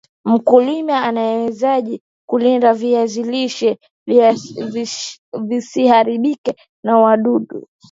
Mkulima anawezaje kulinda viazi lishe visiharibiwe na wadudu